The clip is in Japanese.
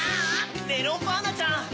メロンパンナちゃん！